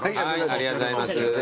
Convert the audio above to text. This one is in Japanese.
ありがとうございます。